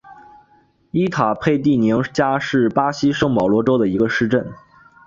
伊塔佩蒂宁加是巴西圣保罗州的一个市镇。